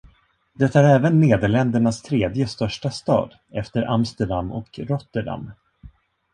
Det är även Nederländernas tredje största stad efter Amsterdam och Rotterdam.